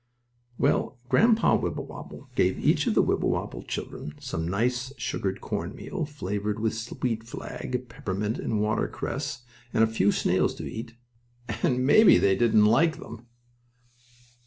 Well, Grandpa Wibblewobble gave each of the Wibblewobble children some nice sugared corn meal, flavored with sweet flag, peppermint and watercress, and a few snails to eat, and maybe they didn't like them!